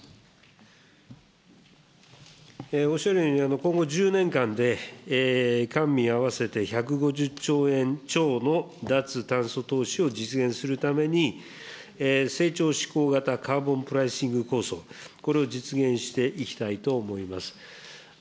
おっしゃるように、今後１０年間で官民合わせて１５０兆円超の脱炭素投資を実現するために、成長しこう型カーボンプライシング構想、これを実現していきたいと思います。